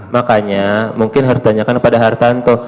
makanya mungkin harus ditanyakan kepada hartanto